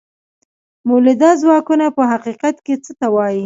مؤلده ځواکونه په حقیقت کې څه ته وايي؟